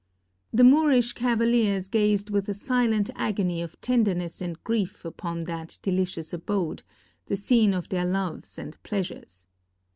The Moorish cavahers gazed with a silent agony of tenderness and grief upon that delicious abode, the scene of their loves and pleasures.